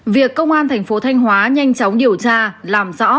việc công an thành phố thanh hóa nhanh chóng điều tra làm rõ